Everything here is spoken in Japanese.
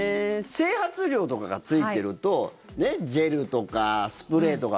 整髪料とかがついてるとジェルとかスプレーとか。